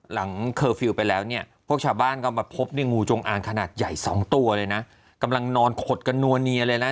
หลังสกขวนไปแล้วพวกชาวบ้านก็มาพบงูโจงอางขนาดใหญ่๒ตัวเลยนะกำลังนอนขดกันนัวเนียเลยนะ